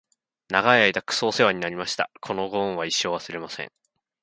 長い間クソおせわになりました！！！このご恩は一生、忘れません！！